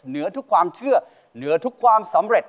เหนือทุกความเชื่อเหนือทุกความสำเร็จ